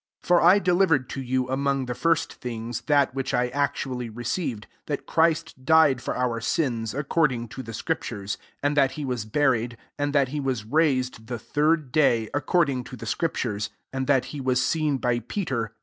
3 For I delivered to you among the first things, that Which I actually received, tliat Christ died for our sins, accord ing to the scriptures ; 4 add that he was buried, and tlflkle was raised the third day, ac cording to the scriptures; 5 and that he was seen by Peter.